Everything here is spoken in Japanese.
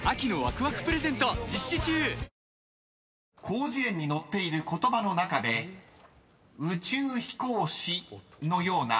［広辞苑に載っている言葉の中で「宇宙飛行士」のような］